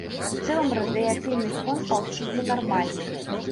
У цэлым радыяцыйны фон паўсюдна нармальны.